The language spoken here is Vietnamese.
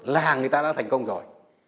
là người ta đã thành công rồi